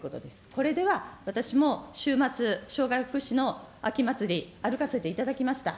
これでは私も週末、障害福祉の秋祭り、歩かせていただきました。